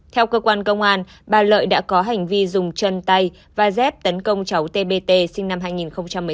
theo cơ quan công an bà lợi đã có hành vi dùng chân tay và dép tấn công cháu tbt sinh năm hai nghìn một mươi tám